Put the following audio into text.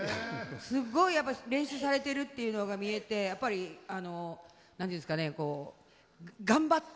すっごいやっぱ練習されてるっていうのが見えてやっぱり何て言うんですかね頑張ってはる感がすごく。